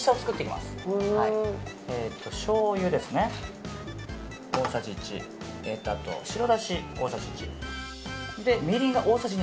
しょうゆですね、大さじ１。